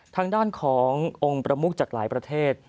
ทางด้านขององค์ประมุกจากหลายประเทศ